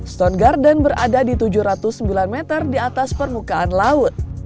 stone garden berada di tujuh ratus sembilan meter di atas permukaan laut